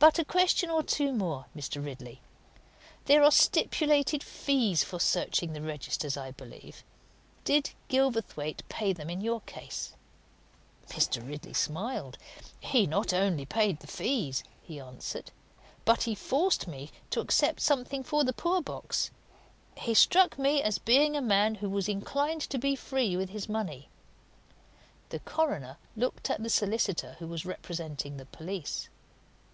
But a question or two more, Mr. Ridley. There are stipulated fees for searching the registers, I believe. Did Gilverthwaite pay them in your case?" Mr. Ridley smiled. "He not only paid the fees," he answered, "but he forced me to accept something for the poor box. He struck me as being a man who was inclined to be free with his money." The coroner looked at the solicitor who was representing the police.